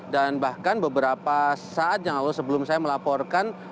dan bahkan beberapa saat yang lalu sebelum saya melaporkan